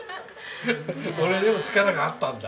俺にも力があったんだ。